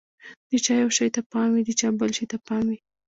د چا یوه شي ته پام وي، د چا بل شي ته پام وي.